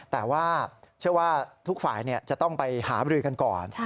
แต่ว่าเชื่อว่าทุกฝ่ายจะต้องไปหาบริกันก่อน